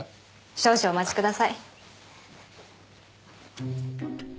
少々お待ちください。